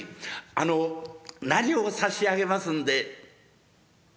あの何を差し上げますんで」。